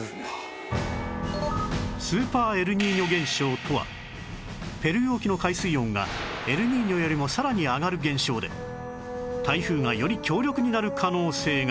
スーパーエルニーニョ現象とはペルー沖の海水温がエルニーニョよりもさらに上がる現象で台風がより強力になる可能性が